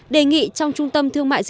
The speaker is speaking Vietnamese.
đề nghị trong trung tâm thương mại dịch vụ